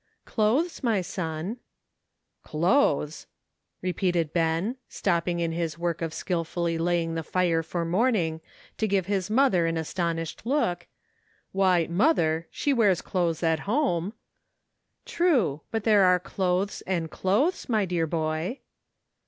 " Clothes, my son." "Clothes!" repeated Ben, stopping in his work of skillfully laying the fire for morning to give his mother an astonished look, "why, mother, she wears clothes at home," 20 CLOTHES. 21 " True, but there are clothes and clothes, ray dear boy."